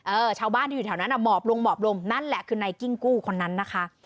เออชาวบ้านที่อยู่ในแถวนั้นอะหมอบรมมอบรมนั่นแหละคือในกิ้งกู้คนนั้นนะคะ